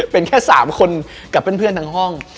เป็นแค่๓คนกับเพื่อนทั้งห้อง